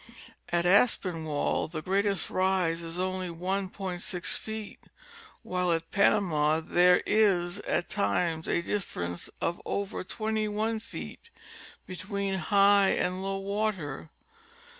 At Aspinwall the greatest rise is only 1.6 feet, while at Panama there is at times a difference of over 21 feet between high and low water.